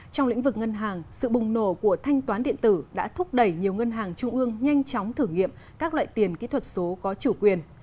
trong lĩnh vực ngân hàng sự bùng nổ của thanh toán điện tử đã thúc đẩy nhiều ngân hàng trung ương nhanh chóng thử nghiệm các loại tiền kỹ thuật số có chủ quyền